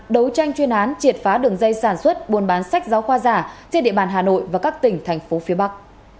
đấu tranh chuyên án triệt phá đường dây sản xuất buôn bán sách giáo khoa giả trên địa bàn hà nội và các tỉnh thành phố phía bắc